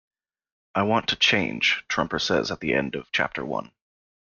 "I want to change", Trumper says at the end of Chapter One.